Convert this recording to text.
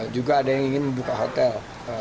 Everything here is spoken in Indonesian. juga ada yang ingin membuka hotel